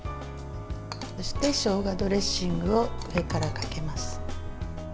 そして、しょうがドレッシングを上からかけます。